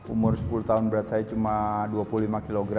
umur sepuluh tahun berat saya cuma dua puluh lima kg